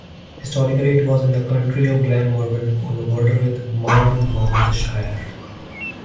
Historically it was in the county of Glamorgan, on the border with Monmouthshire.